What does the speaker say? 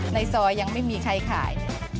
ในซอยยังไม่มีใครขาย